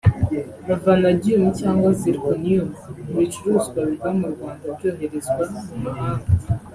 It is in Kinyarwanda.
vanadium cyangwa zirconium mu bicuruzwa biva mu Rwanda byoherezwa mu mahanga